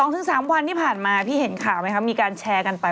ถูกต้อง๒๓วันนี้ผ่านมาพี่เห็นข่าวไหมครับมีการแชร์กันไป